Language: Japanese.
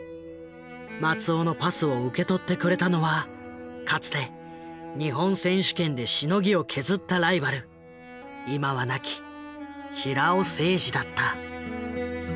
松尾のパスを受け取ってくれたのはかつて日本選手権でしのぎを削ったライバル今は亡き平尾誠二だった。